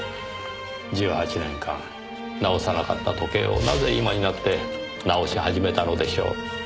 １８年間直さなかった時計をなぜ今になって直し始めたのでしょう？